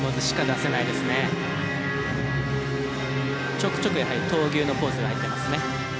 ちょくちょくやはり闘牛のポーズが入ってますね。